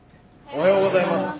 おはようございます。